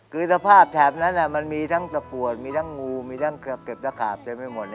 คือสภาพแถบนั้นมันมีทั้งตะกรวดมีทั้งงูมีทั้งเก็บตะขาบเต็มไปหมดเลย